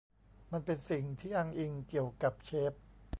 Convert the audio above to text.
มันเป็นสิ่งที่อ้างอิงเกี่ยวกับเชฟ